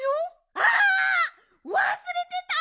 あわすれてた！